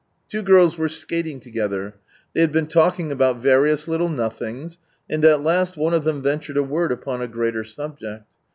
Two girls were skating together. They had been talking about various little nothings, and at last one of them ventured a word upon a greater Subject.